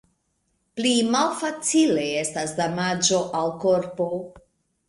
Pli malfacile estas damaĝo al korpo.